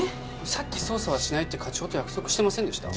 さっき捜査はしないって課長と約束してませんでした？